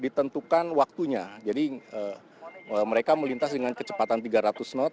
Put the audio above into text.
ditentukan waktunya jadi mereka melintas dengan kecepatan tiga ratus knot